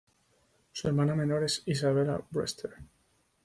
Su hermana menor es Isabella Brewster.